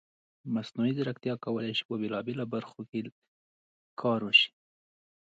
مصنوعي ځیرکتیا کولی شي په بېلابېلو برخو کې کار وشي.